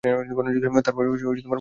তারপর ফোনটা নে।